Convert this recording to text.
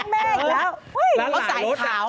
เมียแว้งแม่อีกแล้ว